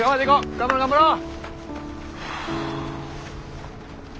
頑張ろう頑張ろう！